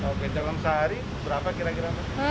oke dalam sehari berapa kira kira